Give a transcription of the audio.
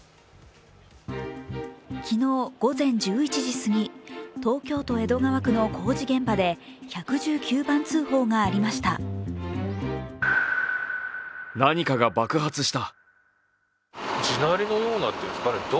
昨日午前１１時すぎ、東京都江戸川区の工事現場で１１９番通報がありました。